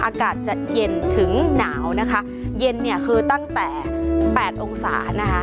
อากาศจะเย็นถึงหนาวนะคะเย็นเนี่ยคือตั้งแต่แปดองศานะคะ